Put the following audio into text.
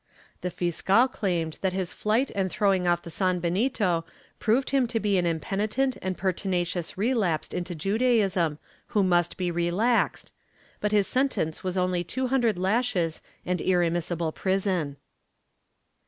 The fiscal claimed that his flight and throw ing off the sanbenito proved him to be an impenitent and perti nacious relapsed into Judaism who must be relaxed, but his sen tence was only two hundred lashes and irremissible prison.